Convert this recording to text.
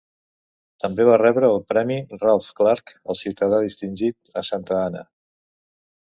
També va rebre el premi Ralph Clark al ciutadà distingit a Santa Ana.